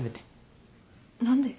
何で？